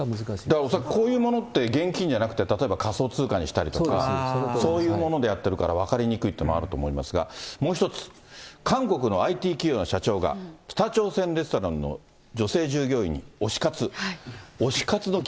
だから恐らく、こういうものって、現金じゃなくて例えば仮想通貨にしたりとか、そういうものでやってるから分かりにくいというのもあると思いますが、もう一つ、韓国のＩＴ企業の社長が、北朝鮮レストランの女性従業員に推し活。